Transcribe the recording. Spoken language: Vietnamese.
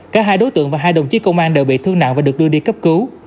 cả hai đối tượng và hai đồng chí công an đều bị thương nặng và được đưa đi cấp cứu